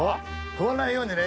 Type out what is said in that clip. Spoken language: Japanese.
転ばないようにね。